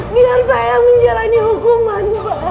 biar saya menjalani hukuman